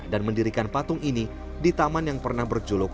dan mendirikan patung ini di taman yang pernah berjuluk